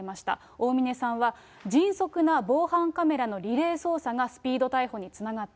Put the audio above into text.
大峯さんは、迅速な防犯カメラのリレー捜査が、スピード逮捕につながった。